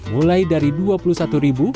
mulai dari rp dua puluh satu